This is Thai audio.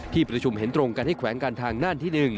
ที่ประชุมเห็นตรงกันให้แขวงการทางน่านที่๑